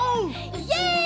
イエイ！